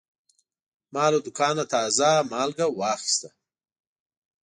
ما له دوکانه تازه مالګه واخیسته.